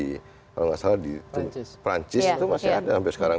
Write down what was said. kalau nggak salah di perancis itu masih ada sampai sekarang